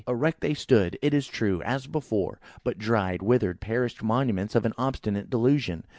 Erect they stood, it is true, as before, but dried, withered, perished monuments of an obstinate delusion.